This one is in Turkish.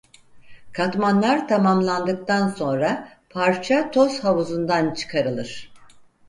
Katmanlar tamamlandıktan sonra parça toz havuzundan çıkarılır.